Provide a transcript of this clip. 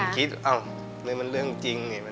ผมคิดอะว้าวมันเรื่องจริง